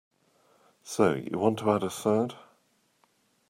So you want to add a third?